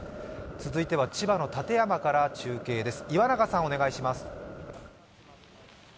続いては千葉の館山から中継です。